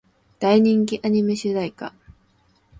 大人気アニメ主題歌